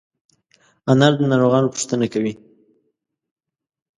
انا د ناروغانو پوښتنه کوي